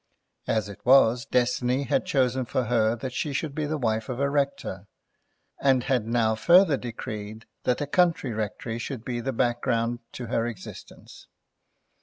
As it was, Destiny had chosen for her that she should be the wife of a rector, and had now further decreed that a country rectory should be the background to her existence.